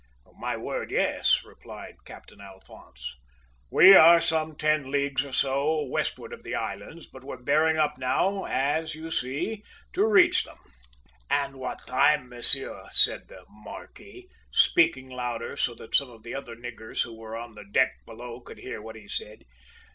"`My word, yes,' replied Captain Alphonse. `We are some ten leagues or so the westward of the islands, but we're bearing up now, as you see, to reach them.' "`And what time, monsieur,' said the `marquis,' speaking louder so that some of the other niggers who were on the deck below could hear what he said.